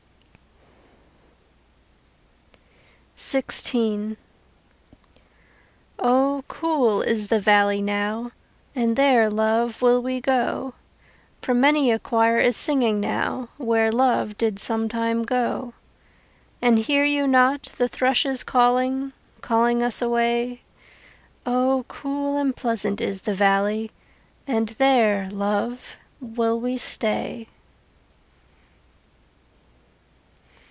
XVI O cool is the valley now And there, love, will we go For many a choir is singing now Where Love did sometime go. And hear you not the thrushes calling, Calling us away? O cool and pleasant is the valley And there, love, will we stay.